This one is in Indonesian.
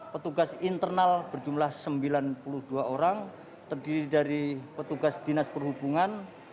petugas internal berjumlah sembilan puluh dua orang terdiri dari petugas dinas perhubungan